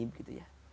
itu indikator ya